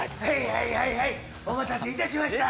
はいはいはい、お待たせしました。